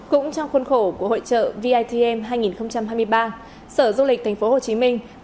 cũng trong khuôn khổ của hội trợ vitm hai nghìn hai mươi ba sở du lịch thành phố hồ chí minh